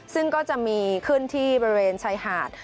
ซึ่งก็จะมีขึ้นที่บริเวณชายหาด